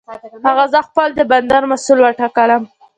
هغه زه خپل د بندر مسؤل وټاکلم.